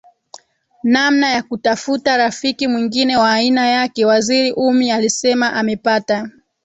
namna ya kutafuta rafiki mwingine wa aina yake Waziri Ummy alisema amepata